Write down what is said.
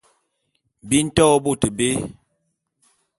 Bi nto bôt bé.